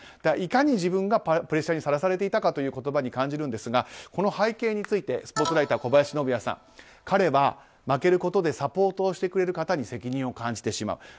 いかに自分がプレッシャーにさらされていたかという言葉に感じるんですがこの背景についてスポーツライター、小林信也さん。彼は負けることでサポートをしてくれる方に責任を感じてしまう。